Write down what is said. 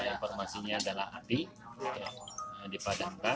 informasinya adalah api dipadankan